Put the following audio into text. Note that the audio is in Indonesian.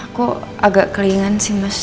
kok agak kelingan sih mas